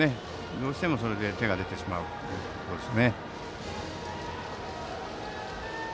どうしてもそれで手が出てしまうということです。